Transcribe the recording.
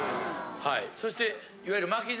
そしていわゆる。